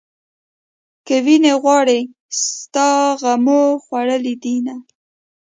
که وينې غواړې ستا غمو خوړلې دينه